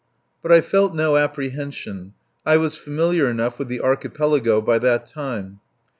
But I felt no apprehension. I was familiar enough with the Archipelago by that time.